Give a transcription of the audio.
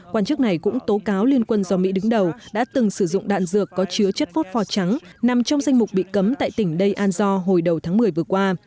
quan chức này cũng tố cáo liên quân do mỹ đứng đầu đã từng sử dụng đạn dược có chứa chất vốt pho trắng nằm trong danh mục bị cấm tại tỉnh day anzo hồi đầu tháng một mươi vừa qua